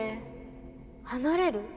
離れる。